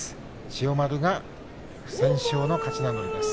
千代丸が不戦勝の勝ち名乗りです。